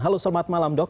halo selamat malam dok